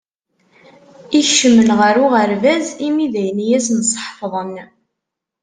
Ikcmen ɣer uɣerbaz, imi d ayen i asen-sḥefḍen.